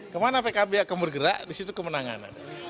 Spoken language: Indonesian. kemana pkb akan bergerak disitu kemenangan